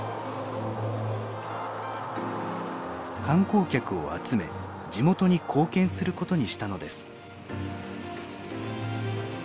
観光客を集め地元に貢献することにしたのです。